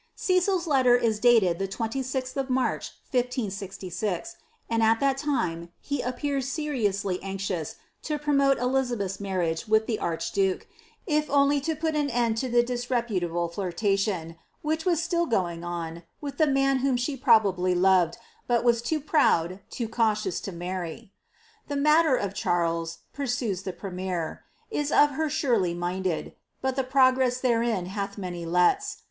CeciPs letter is dated the 26th of March, 1566, and at that time he appears seriously anxious to promote Eiizabcth^s marriage with the irchduke, if only to put an end to the disreputable flirtation, which was ttill going on, with the man whom she probably loved, but was too proud, too cautious to marry. *• The matter of Charles," pursues the premier, " is of her surely minded ; but the progress therein hath many lets.